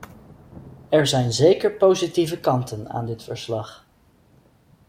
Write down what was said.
Er zijn zeker positieve kanten aan dit verslag.